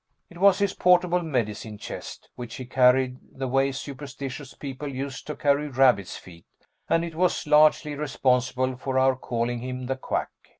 It was his portable medicine chest, which he carried the way superstitious people used to carry rabbits' feet, and it was largely responsible for our calling him the Quack.